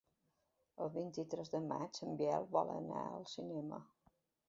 El vint-i-tres de maig en Biel vol anar al cinema.